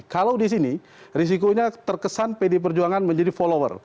kalau di sini risikonya terkesan pd perjuangan menjadi follower